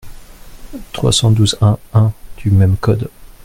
trois cent douze-un-un du même code.